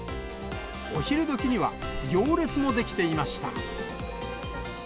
お昼どきには行列も出来ていました。